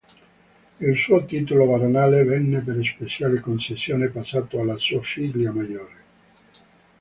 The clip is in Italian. Il suo titolo baronale venne, per speciale concessione, passato alla sua figlia maggiore.